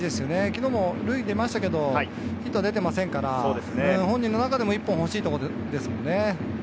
昨日も塁に出ましたけど、ヒットは出てませんから、本人の中でも１本ほしいところですもんね。